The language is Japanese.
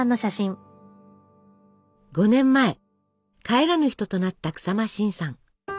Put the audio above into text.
５年前帰らぬ人となった日馬伸さん。